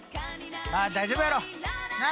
まあ大丈夫やろ！な？